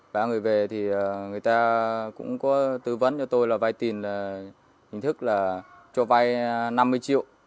ba người về thì người ta cũng có tư vấn cho tôi là vay tiền là hình thức là cho vay năm mươi triệu